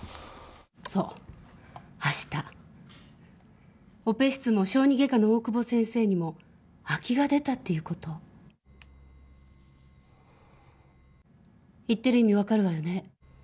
そう明日オペ室も小児外科の大久保先生にも空きが出たっていうこと言ってる意味分かるわよね？